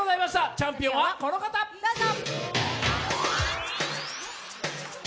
チャンピオンはこの方、どうぞ。